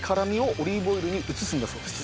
オリーブオイルに移すんだそうです。